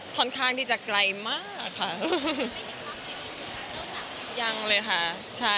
ค่อนข้างที่จะไกลมากค่ะ